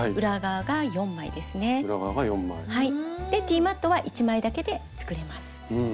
ティーマットは１枚だけで作れます。